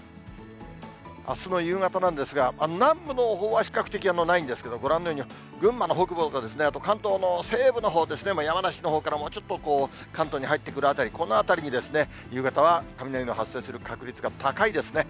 あすの夕方なんですが、南部のほうは比較的ないんですけど、ご覧のように群馬の北部とか、あと関東の西部のほうですね、山梨のほうから、ちょっと関東に入ってくる辺り、この辺りに、夕方は雷の発生する確率が高いですね。